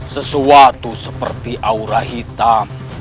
sesuatu seperti aura hitam